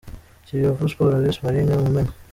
Kiyovu Sports vs Marines - Mumena.